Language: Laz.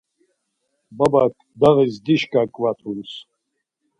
Babak dağis dişka ǩvatums.